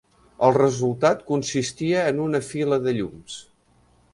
El resultat consistia en una fila de llums.